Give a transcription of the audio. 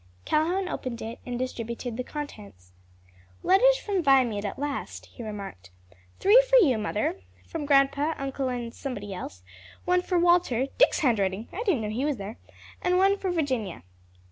Calhoun opened it and distributed the contents. "Letters from Viamede at last," he remarked; "three for you, mother, from grandpa, uncle and somebody else; one for Walter (Dick's handwriting! I didn't know he was there) and one for Virginia."